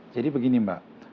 jadi begini mbak